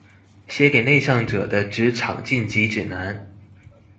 寫給內向者的職場進擊指南